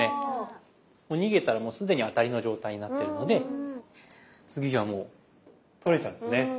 逃げたらもう既にアタリの状態になってるので次じゃあもう取れちゃうんですね。